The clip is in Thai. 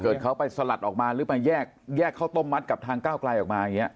เขาไปสลัดออกมาหรือมาแยกข้าวต้มมัดกับทางก้าวไกลออกมาอย่างนี้